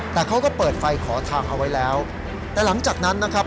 แต่เขาก็เปิดไฟขอทางเอาไว้แล้วแต่หลังจากนั้นนะครับ